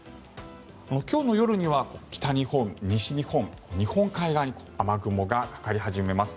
今日の夜には北日本、西日本、日本海側に雨雲がかかり始めます。